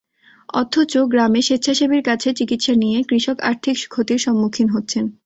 অথচ গ্রামে স্বেচ্ছাসেবীর কাছে চিকিৎসা নিয়ে কৃষক আর্থিক ক্ষতির সম্মুখীন হচ্ছেন।